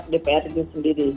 dpr itu sendiri